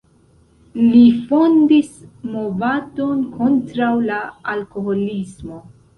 Li fondis movadon kontraŭ la alkoholismo.